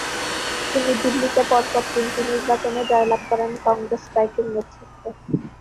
তিনি দিল্লিতে পরপর তিনটি নির্বাচনে জয়লাভ করেন কংগ্রেস পার্টির নেতৃত্বে।